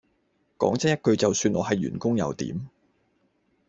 講真一句就算我係員工又點